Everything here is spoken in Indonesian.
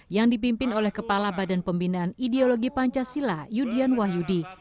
yang dipimpin oleh kepala badan pembinaan ideologi pancasila yudian wahyudi